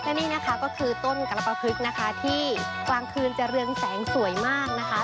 และนี่นะคะก็คือต้นกรปภึกนะคะที่กลางคืนจะเรืองแสงสวยมากนะคะ